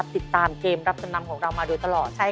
ติดตามเกมรับจำนำของเรามาโดยตลอด